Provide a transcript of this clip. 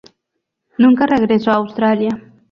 Nunca regresó a Australia.